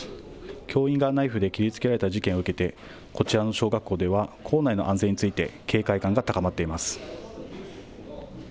教員がナイフで切りつけられた事件を受けて、こちらの小学校では校内の安全について警戒感が高まっています。